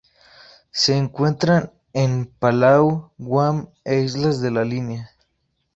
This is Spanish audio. Se encuentran en Palau, Guam e Islas de la Línea.